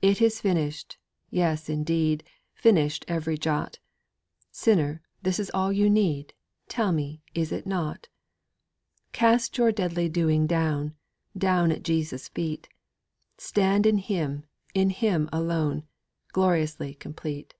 'It is Finished!' yes, indeed, Finished every jot; Sinner, this is all you need; Tell me, is it not? Cast your deadly doing down, Down at Jesus' feet; Stand in Him, in Him alone, Gloriously complete.